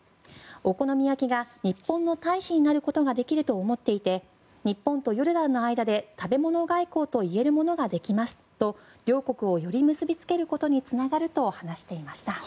お好み焼きが日本の大使になることができると思っていて日本とヨルダンの間で食べ物外交と呼べるものができますと両国をより結びつけることにつながると話していました。